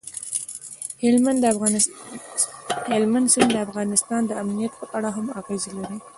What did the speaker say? هلمند سیند د افغانستان د امنیت په اړه هم اغېز لري.